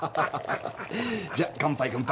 じゃあ乾杯乾杯。